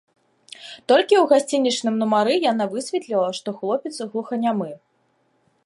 Толькі ў гасцінічным нумары яна высветліла, што хлопец глуханямы.